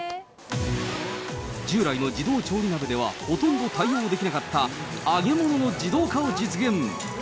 従来の自動調理鍋では、ほとんど対応できなかった揚げ物の自動化を実現。